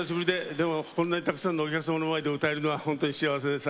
でもこんなにたくさんのお客様の前で歌えるのは本当に幸せです。